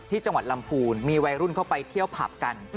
จังหวัดลำพูนมีวัยรุ่นเข้าไปเที่ยวผับกัน